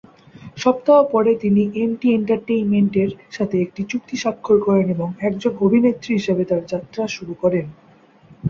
সপ্তাহ পরে তিনি এমটি এন্টারটেইনমেন্ট এর সাথে একটি চুক্তি স্বাক্ষর করেন এবং একজন অভিনেত্রী হিসাবে তার যাত্রা শুরু করেন।